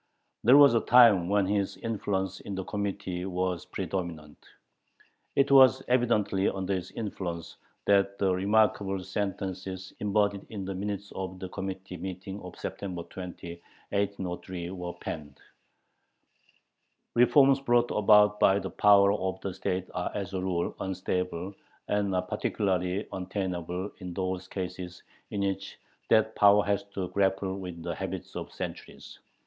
There was a time when his influence in the Committee was predominant. It was evidently under his influence that the remarkable sentences embodied in the minutes of the Committee meeting of September 20, 1803, were penned: Reforms brought about by the power of the state are, as a rule, unstable, and are particularly untenable in those cases in which that power has to grapple with the habits of centuries.